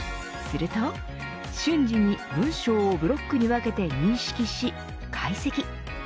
すると瞬時に文章をブロックに分けて認識し解析。